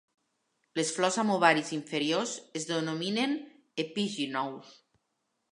Les flors amb ovaris inferiors es denominen epígynous.